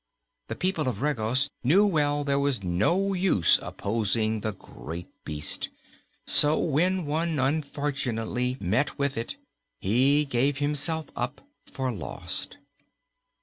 The people of Regos knew well there was no use opposing the Great Beast, so when one unfortunately met with it he gave himself up for lost.